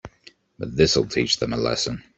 But this'll teach them a lesson.